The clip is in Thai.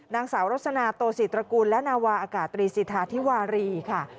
นางสาวรสนาโตศิตรกูลและนาวาอากาศตรีสิทธาธิวารีค่ะ